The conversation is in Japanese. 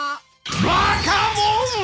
バカもん！